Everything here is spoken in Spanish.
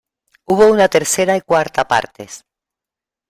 Hubo una tercera y cuarta partes.